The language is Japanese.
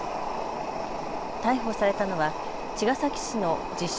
逮捕されたのは茅ヶ崎市の自称